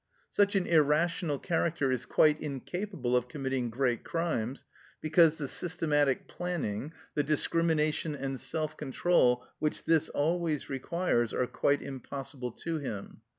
Such an irrational character is quite incapable of committing great crimes, because the systematic planning, the discrimination and self control, which this always requires are quite impossible to him.